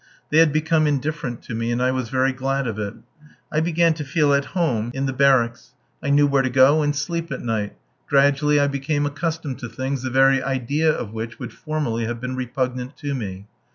They had become indifferent to me, and I was very glad of it. I began to feel at home in the barracks. I knew where to go and sleep at night; gradually I became accustomed to things the very idea of which would formerly have been repugnant to me.